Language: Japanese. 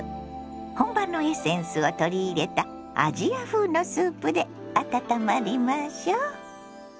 本場のエッセンスを取り入れたアジア風のスープで温まりましょ。